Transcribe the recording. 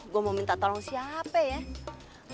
gue mau minta tolong siapa ya